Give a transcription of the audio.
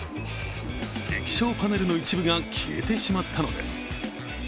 液晶パネルの一部が消えてしまったのです。